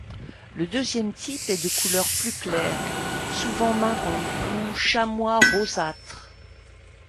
Le deuxième type est de couleur plus claire, souvent marron ou chamois rosâtre.